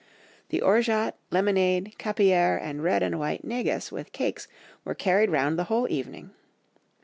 The orgeat, lemonade, capillaire, and red and white negus with cakes, were carried round the whole evening.